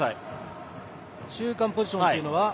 中間ポジションというのは？